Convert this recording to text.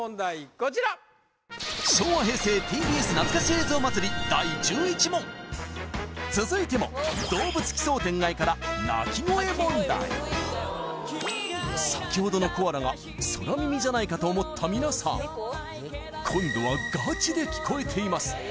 こちら続いても「どうぶつ奇想天外！」から先ほどのコアラが空耳じゃないかと思ったみなさん今度はガチで聞こえています